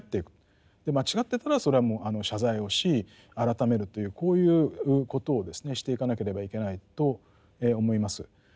間違ってたらそれはもう謝罪をし改めるというこういうことをですねしていかなければいけないと思います。